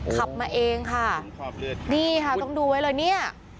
ขับมาเองค่ะนี่ค่ะต้องดูไว้เลยเนี่ย